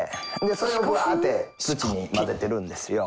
それをブワーって土に混ぜてるんですよ。